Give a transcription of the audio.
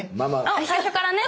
おっ最初からね。